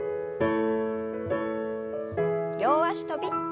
両脚跳び。